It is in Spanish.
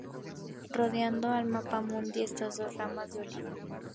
Rodeando al mapamundi están dos ramas de olivo.